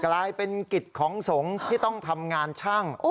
กลายเป็นกิจของสงฆ์ที่ต้องทำงานช่าง